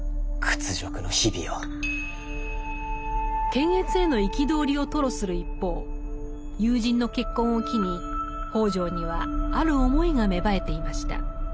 検閲への憤りを吐露する一方友人の結婚を機に北條にはある思いが芽生えていました。